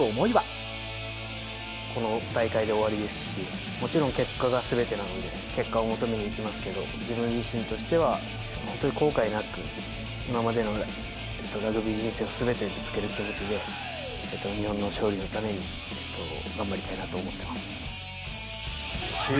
この大会で終わりですし、もちろん結果がすべてなので、結果を求めにいきますけど、自分自身としては本当に後悔なく、今までのラグビー人生すべてぶつける気持ちで、日本の勝利のために頑張りたいなと思ってます。